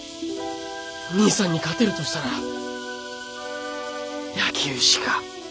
兄さんに勝てるとしたら野球しか。